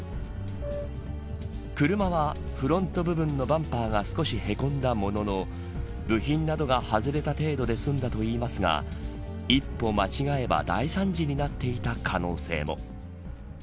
車はフロント部分のバンパーが少しへこんだものの部品などが外れた程度で済んだといいますが一歩間違えば大惨事になっていた可能性も。